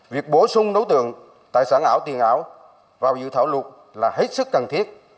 việc bổ sung đối tượng tài sản ảo tiền ảo vào sự thảo luận là hết sức cần thiết